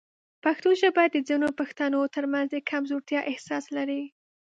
پښتو ژبه د ځینو پښتنو ترمنځ د کمزورتیا احساس لري.